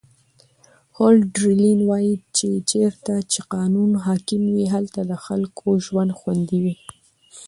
هولډرلین وایي چې چیرته چې قانون حاکم وي هلته د خلکو ژوند خوندي وي.